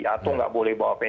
atau nggak boleh bawa kajian